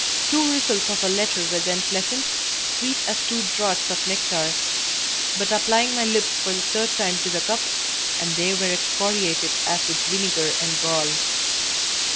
Two results of her letter were then pleasant, sweet as two draughts of nectar; but applying my lips for the third time to the cup, and they were excoriated as with vinegar and gall.